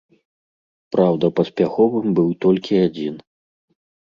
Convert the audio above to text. Праўда, паспяховым быў толькі адзін.